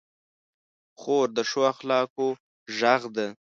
خور د ښو اخلاقو غږ ده.